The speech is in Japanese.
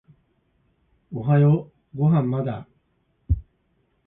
おはようご飯まだ？